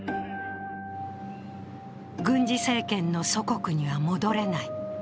軍事政権の祖国には戻れない。